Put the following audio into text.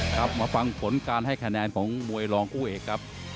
ครับมาฟังผลการให้คะแนนของมวยรองคู่เอกครับ